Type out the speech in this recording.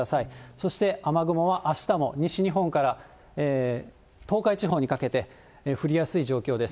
そして、雨雲はあしたも西日本から東海地方にかけて、降りやすい状況です。